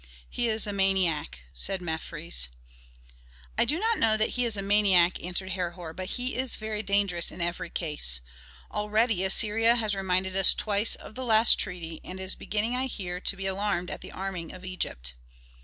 "He is a maniac!" said Mefres. "I do not know that he is a maniac," answered Herhor, "but he is very dangerous in every case. Already Assyria has reminded us twice of the last treaty, and is beginning, I hear, to be alarmed at the arming of Egypt."